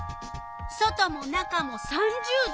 外も中も３０℃。